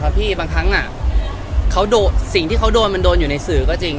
การปกป้องมันมีหลายแบบครับครับพี่บางครั้งสิ่งที่เขาโดนมันโดนอยู่ในสื่อก็จริง